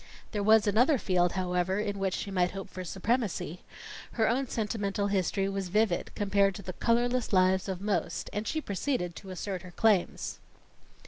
There was another field, however, in which she might hope for supremacy. Her own sentimental history was vivid, compared to the colorless lives of most, and she proceeded to assert her claims.